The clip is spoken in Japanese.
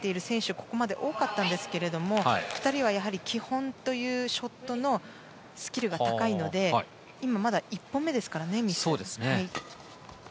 ここまで多かったんですが２人はやはり基本というショットのスキルが高いので今まだ１本目ですから。